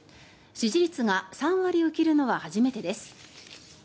支持率が３割を切るのは初めてです。